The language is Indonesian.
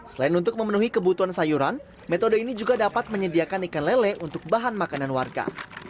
selain untuk memenuhi kebutuhan sayuran metode ini juga dapat menyediakan ikan lele untuk bahan makanan warga